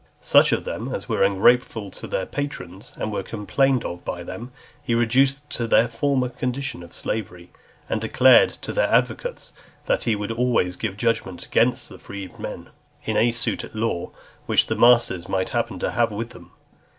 Such of them as were ungrateful to their patrons, and were complained of by them, he reduced to their former condition of (317) slavery; and declared to their advocates, that he would always give judgment against the freedmen, in any suit at law which the masters might happen to have with them.